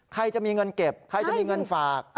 ใครจะมีเงินเก็บใครจะมีเงินฝาก